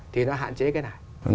thì nó hạn chế cái này